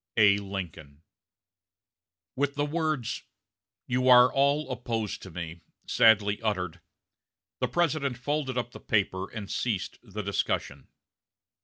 "A. LINCOLN." With the words, "You are all opposed to me," sadly uttered, the President folded up the paper and ceased the discussion.